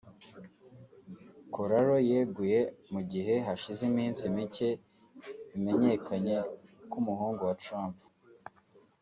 Corallo yeguye mu gihe hashize iminsi mike bimenyekanye ko umuhungu wa Trump